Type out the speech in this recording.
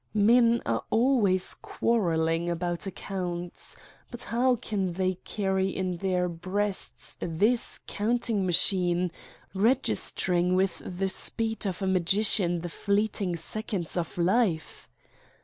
Men are al ways quarrelling about accounts, but how can they carry in their breasts this counting ma ll Satan's Diary chine, registering with the speed of a magician the fleeting seconds of life